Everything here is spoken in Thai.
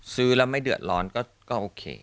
ซื้อแล้วไม่เดือดร้อนก็โอเค